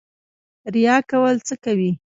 ریا کول څه کوي؟